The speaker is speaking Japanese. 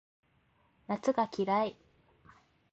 夏が嫌い